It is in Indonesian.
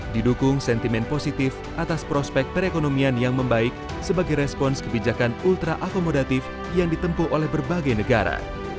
didukung sentimen positif atas prospek perekonomian yang membaik sebagai respons kebijakan ultra akomodatif yang ditempuh oleh berbagai negara